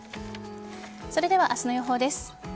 それでは明日の予報です。